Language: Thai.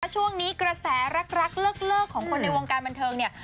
ช่วงนี้กระแสรักเลิกของคนในวงการบันเทิงเนี่ย